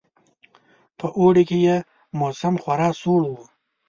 په اوړي کې یې موسم خورا سوړ وو.